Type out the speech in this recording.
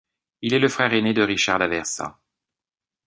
Il est le frère aîné de Richard d'Aversa.